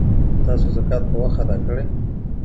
تاسو زکات په وخت ادا کړئ.